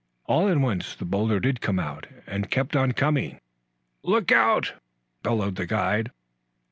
All at once the boulder did come out, and it kept on coming. "Look out!" bellowed the guide.